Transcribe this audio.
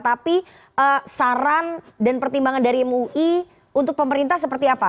tapi saran dan pertimbangan dari mui untuk pemerintah seperti apa